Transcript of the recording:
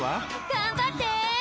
頑張って！